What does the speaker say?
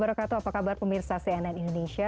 apa kabar pemirsa cnn indonesia